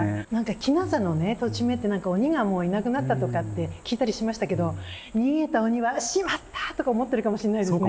「鬼無里」の土地名って何か鬼がいなくなったとかって聞いたりしましたけど逃げた鬼は「しまった！」とか思ってるかもしれないですね。